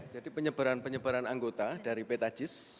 jadi penyebaran penyebaran anggota dari peta gis